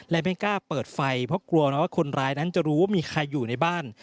และไม่กล้าเปิดไฟเพราะกลัวนะว่าคนร้ายนั้นจะรู้ว่ามีใครอยู่ในบ้าน